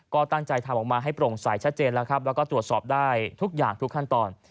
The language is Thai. ก็ตั้งใจทำออกมาให้โปร่งใสชัดเจนแล้วครับแล้วก็ตรวจสอบได้ทุกอย่างทุกขั้นตอน